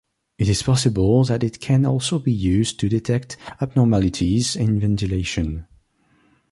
It is possible that it can also be used to detect abnormalities in ventilation.